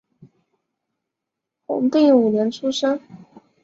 弘定五年出生。